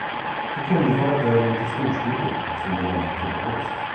Det kunde vara dörren till storstugan, som de lämnat olåst.